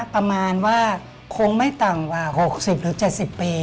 ประมาณว่าคงไม่ต่ำกว่า๖๐หรือ๗๐ปี